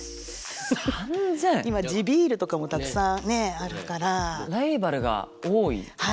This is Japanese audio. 今地ビールとかもたくさんねあるから。